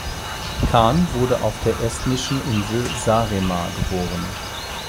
Kahn wurde auf der estnischen Insel Saaremaa geboren.